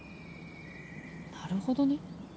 なるほどね。